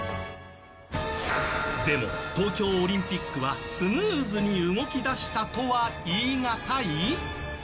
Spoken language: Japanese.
でも、東京オリンピックはスムーズに動き出したとは言いがたい？